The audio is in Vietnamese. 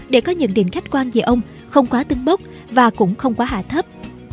để có nhận định khách quan về ông không quá tưng bốc và cũng không quá hạ thấp